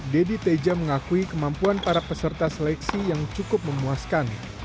deddy teja mengakui kemampuan para peserta seleksi yang cukup memuaskan